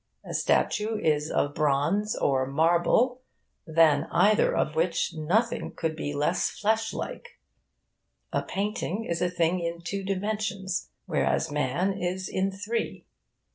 A statue is of bronze or marble, than either of which nothing could be less flesh like. A painting is a thing in two dimensions, whereas man is in three.